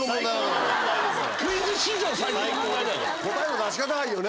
答えの出し方がいいよね。